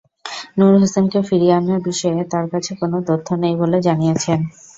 নূর হোসেনকে ফিরিয়ে আনার বিষয়ে তাঁর কাছে কোনো তথ্য নেই বলে জানিয়েছেন।